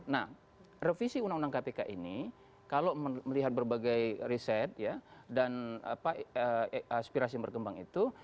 nah revisi undang undang kpk ini kalau melihat berbagai riset dan aspirasi yang berkembang itu